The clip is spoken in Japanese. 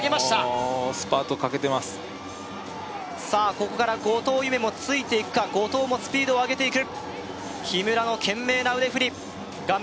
ここから後藤夢もついていくか後藤もスピードを上げていく木村の懸命な腕ふり画面